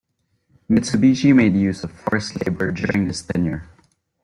Mitsubishi made use of forced labor during this tenure.